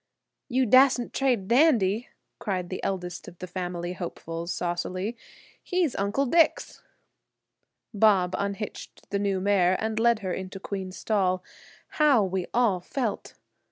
"You dasn't trade Dandy," cried the eldest of the family hopefuls, saucily; "he's Uncle Dick's." Bob unhitched the new mare and led her into Queen's stall. How we all felt!